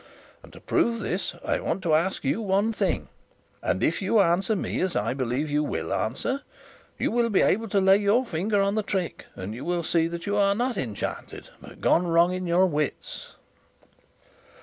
And to prove this I want to ask you one thing; and if you answer me as I believe you will answer, you will be able to lay your finger on the trick, and you will see that you are not enchanted but gone wrong in your wits."